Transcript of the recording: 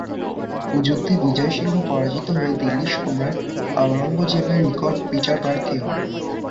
যুদ্ধে বিজয় সিংহ পরাজিত হয়ে দিল্লির সম্রাট আওরঙ্গজেবের নিকট বিচার প্রার্থী হন।